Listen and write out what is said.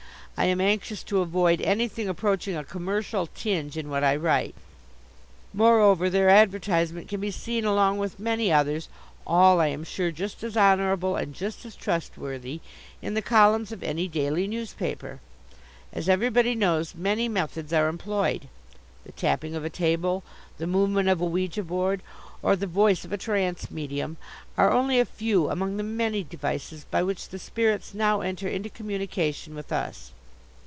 I am anxious to avoid anything approaching a commercial tinge in what I write. Moreover, their advertisement can be seen along with many others all, I am sure, just as honourable and just as trustworthy in the columns of any daily newspaper. As everybody knows, many methods are employed. The tapping of a table, the movement of a ouija board, or the voice of a trance medium, are only a few among the many devices by which the spirits now enter into communication with us.